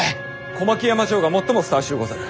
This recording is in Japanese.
小牧山城が最もふさわしゅうござる。